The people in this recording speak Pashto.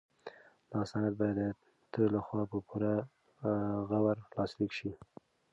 دا سند باید د تره لخوا په پوره غور لاسلیک شي.